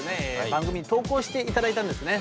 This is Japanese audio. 番組に投稿していただいたんですね